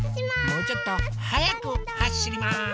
もうちょっとはやくはしります。